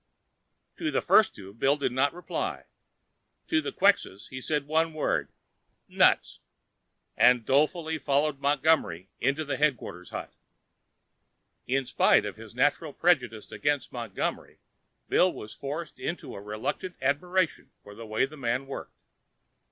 To the first two, Bill did not reply. To the Quxas, he said one word, "Nuts!" and dolefully followed Montgomery into the headquarters hut. In spite of his natural prejudice against Montgomery, Bill was forced into a reluctant admiration for the way the man worked.